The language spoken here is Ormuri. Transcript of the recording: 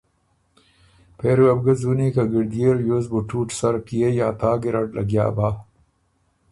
پېری وه بو ګۀ ځُونی که ګِړديې ریوز بُو ټُوټ سر پيې یا تا ګیرډ لګیا بۀ۔